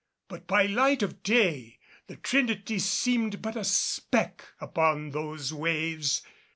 But by light of day the Trinity seemed but a speck upon those waves.